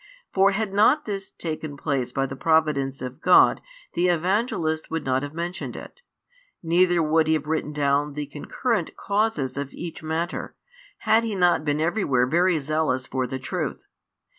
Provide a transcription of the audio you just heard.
For had this not taken place by the providence of God, the Evangelist would not have mentioned it; neither would he have written down the concurrent causes of each matter, had he not been everywhere very zealous for the truth.